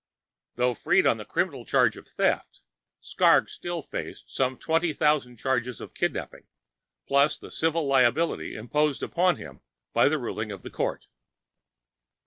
Though freed on the criminal charge of theft, Skrrgck still faced some 20,000 charges of kidnapping, plus the civil liability imposed upon him by the ruling of the Court.